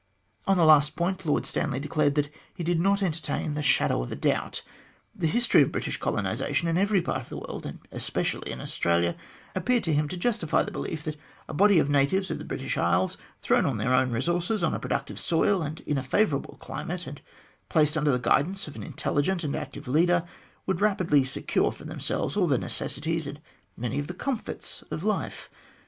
On the last point, Lord Stanley declared that he did not entertain the shadow of a doubt. The history of British colonisation in every part of the world, and especially in Australia, appeared to him to justify the belief that a body of natives of the British Isles, thrown on their own resources, on a productive soil and in a favourable climate, and placed under the guidance of an intelligent and active leader, would rapidly secure for themselves all the necessaries and many of the comforts of life.